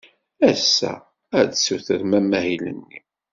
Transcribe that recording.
Ass-a, ad tessutrem amahil-nni.